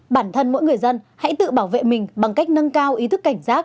bản thân mỗi người dân hãy tự bảo vệ mình bằng cách nâng cao ý thức cảnh giác